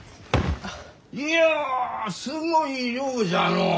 いやすごい量じゃのう！